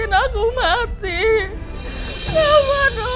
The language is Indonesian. kenzo benci sama papa